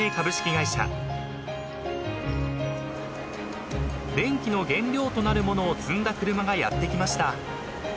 ［電気の原料となる物を積んだ車がやって来ました］